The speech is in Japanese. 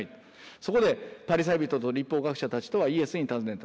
そこでパリサイ人と律法学者たちとはイエスに尋ねた。